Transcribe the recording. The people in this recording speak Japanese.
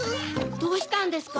どうしたんですか？